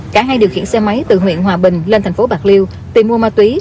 cả hai điều khiển xe máy từ huyện hòa bình lên tp bạc liêu tìm mua ma túy